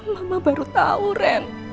mama baru tau ren